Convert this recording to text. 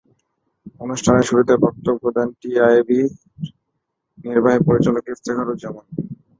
অনুষ্ঠানের শুরুতে বক্তব্য দেন টিআইবির নির্বাহী পরিচালক ইফতেখারুজ্জামান।